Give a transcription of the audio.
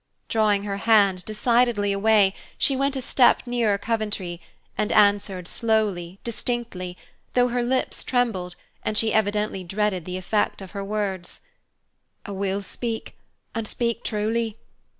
Drawing her hand decidedly away, she went a step nearer Coventry, and answered, slowly, distinctly, though her lips trembled, and she evidently dreaded the effect of her words, "I will speak, and speak truly.